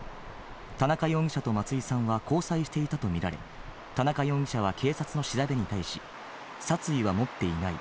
田中容疑者と松井さんは交際していたとみられ、田中容疑者は警察の調べに対し、殺意は持っていない。